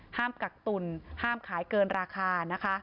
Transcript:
ห้ามกักตุ่นห้ามขายเกินราคา